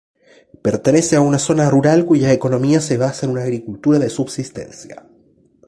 Pertenece a una zona rural cuya economía se basa en una agricultura de subsistencia.